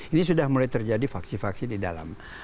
ini sudah mulai terjadi vaksin vaksin di dalam